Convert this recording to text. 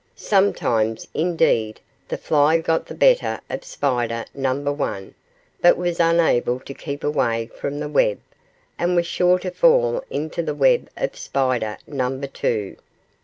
Sometimes, indeed, the fly got the better of spider number one, but was unable to keep away from the web, and was sure to fall into the web of spider number two.